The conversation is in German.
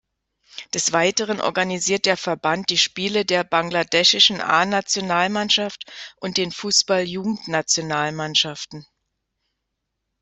Des Weiteren organisiert der Verband die Spiele der bangladeschischen A-Nationalmannschaft und den Fußball-Jugendnationalmannschaften.